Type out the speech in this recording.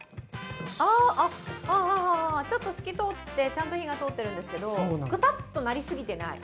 ちょっと透き通って、ちゃんと火が通っているんですけど、くたっとなり過ぎてない。